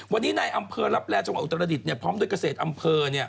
วันนี้ในอำเภอลับแลจังหวัดอุตรดิษฐ์พร้อมด้วยเกษตรอำเภอ